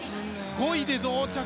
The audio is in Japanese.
５位で同着。